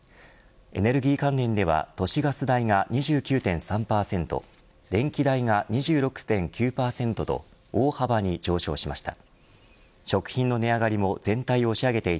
エネルギー関連ではガス代が２９．３％電気代が２６．９％と大幅に上昇しました。